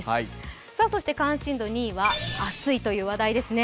関心度２位は暑いという話題ですね。